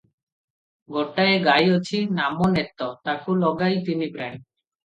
ଗୋଟିଏ ଗାଈ ଅଛି, ନାମ ନେତ, ତାକୁ ଲଗାଇ ତିନିପ୍ରାଣୀ ।